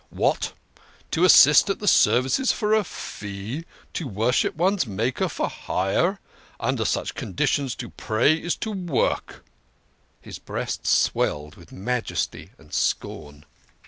What ! To assist at the services for a fee ! To worship 68 THE KING OF SCHNORRERS. one's Maker for hire ! Under such conditions to pray is to work." His breast swelled with majesty and scorn.